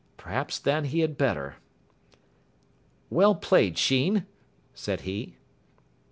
Perhaps, then, he had better. "Well played, Sheen," said he.